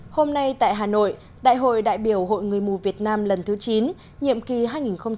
hôm nay tại hà nội đại hội đại biểu hội người mù việt nam lần thứ chín nhiệm kỳ hai nghìn một mươi bảy hai nghìn hai mươi hai đã được tổ chức